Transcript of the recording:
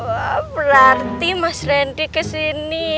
wah berarti mas randy kesini